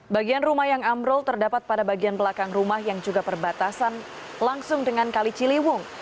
bagian rumah yang ambrol terdapat pada bagian belakang rumah yang juga perbatasan langsung dengan kali ciliwung